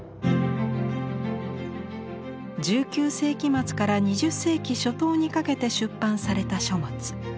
１９世紀末から２０世紀初頭にかけて出版された書物。